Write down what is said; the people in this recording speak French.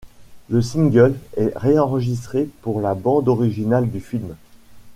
Le single est réenregistré pour la bande originale du film.